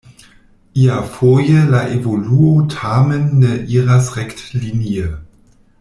Iafoje la evoluo tamen ne iras rektlinie.